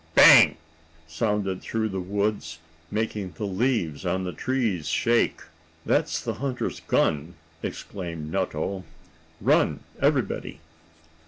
"Bang!" sounded through the woods, making the leaves on the trees shake. "That's the hunter's gun!" exclaimed Nutto. "Run, everybody!"